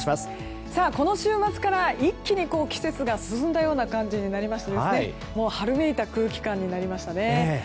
この週末から一気に季節が進んだような感じになりまして春めいた空気感になりましたね。